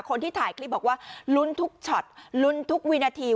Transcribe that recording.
คนที่ถ่ายคลิปบอกว่าลุ้นทุกช็อตลุ้นทุกวินาที